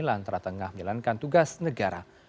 lantaran tengah menjalankan tugas negara